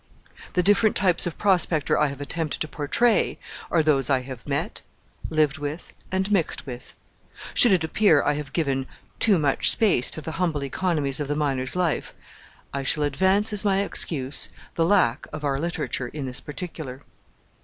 The different types of prospector I have attempted to portray are those I have met, lived with, and mixed with. Should it appear I have given too much space to the humble economies of the miner's life, I shall advance as my excuse the lack of our literature in this particular.